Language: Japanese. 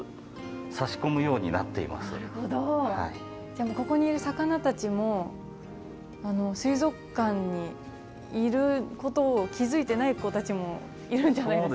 じゃあここにいる魚たちも水族館にいることを気付いてない子たちもいるんじゃないですか。